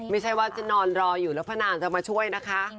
ไม่ใช่ว่าจะนอนรออยู่แล้วพระนางจะมาช่วยนะคะ